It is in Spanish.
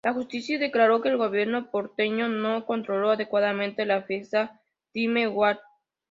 La Justicia declaró que el gobierno porteño no controló adecuadamente la fiesta "Time Warp".